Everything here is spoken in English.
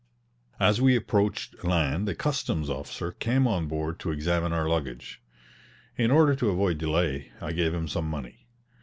As we approached land a customs' officer came on board to examine our luggage. In order to avoid delay I gave him some money.